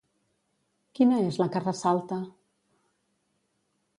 Quina és la que ressalta?